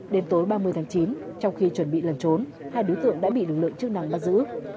đến tối ba mươi tháng chín trong khi chuẩn bị lần trốn hai đối tượng đã bị lực lượng chức năng bắt giữ